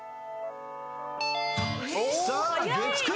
さあ月９。